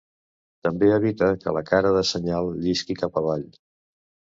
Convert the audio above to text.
També evita que la cara de senyal llisqui cap avall.